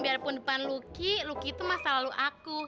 biarpun depan lucky lucky itu masa lalu aku